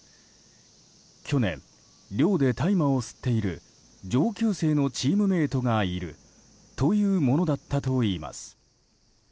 去年、寮で大麻を吸っている上級生のチームメートがいるというものだったといいます。